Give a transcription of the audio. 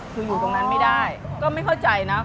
คืออยู่ตรงนั้นไม่ได้ก็ไม่เข้าใจนะ